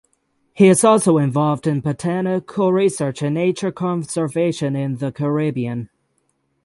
He is also involved in botanical research and nature conservation in the Caribbean.